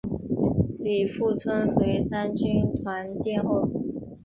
李富春随三军团殿后。